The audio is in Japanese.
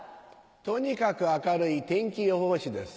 とにかく明るい天気予報士です。